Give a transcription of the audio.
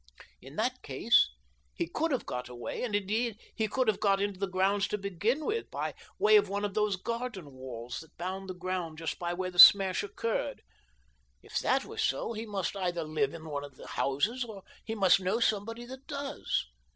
In that case he could have got away (and indeed he could have got into the grounds to begin with) by way of one of those garden walls that bound the ground just by where the smash occurred. If that were so he must either live in one of the houses, or he must know somebody that does.